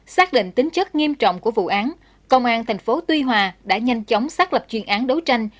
xác định tính chất nghiêm trọng của vụ án công an tp tuy hòa đã nhanh chóng xác lập chuyên án đấu tranh